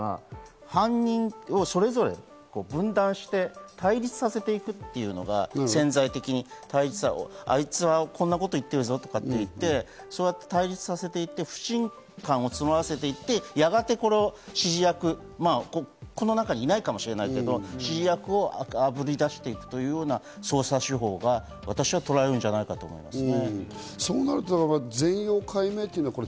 一つには、犯人をそれぞれ分断して、対立させていくというのが、潜在的に、あいつはこんなことを言ってるぞとか言って、対立させていって不信感を募らせていって、やがて指示役、この中にいないかもしれないけど、指示役をあぶり出していくというような捜査手法が取られるのではないかなと思いますね。